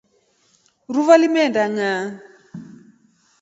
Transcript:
Ruva limeenda ngʼaa.